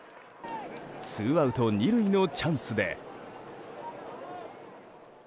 ツーアウト２塁のチャンスで。